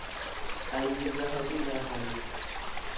انگیزههای نهانی